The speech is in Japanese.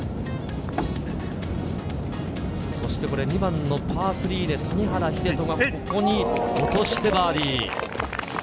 そして２番のパー３で谷原秀人がここに落としてバーディー。